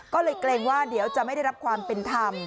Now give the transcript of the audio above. ก็เลยเกรงว่าเดี๋ยวจะไม่ได้รับความเป็นธรรม